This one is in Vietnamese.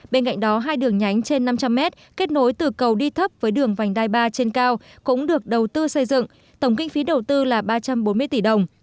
bên cạnh đó hai đường nhánh trên năm trăm linh mét kết nối từ cầu đi thấp với đường vành đai ba trên cao cũng được đầu tư xây dựng tổng kinh phí đầu tư là ba trăm bốn mươi tỷ đồng